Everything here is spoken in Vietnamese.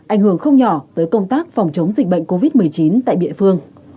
ảnh hưởng không nhỏ tới công tác phòng chống dịch bệnh covid một mươi chín tại địa phương